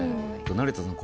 成田さん